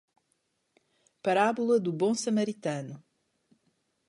Parábola do bom samaritano